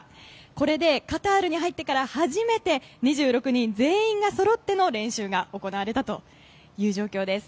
これでカタールに入ってから初めて２６人全員がそろっての練習が行われたという状況です。